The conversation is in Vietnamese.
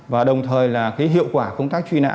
và đồng thời hiệu quả công tác truy nã